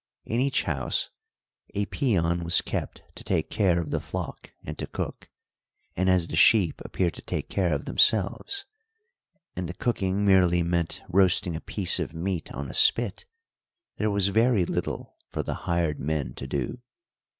In each house a peon was kept to take care of the flock and to cook, and as the sheep appeared to take care of themselves, and the cooking merely meant roasting a piece of meat on a spit, there was very little for the hired men to do.